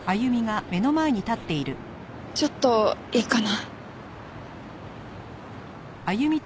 ちょっといいかな。